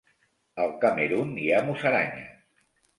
Al Camerun hi ha musaranyes.